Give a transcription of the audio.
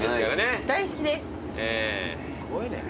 すごいね。